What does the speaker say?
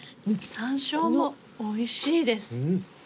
山椒もおいしいです。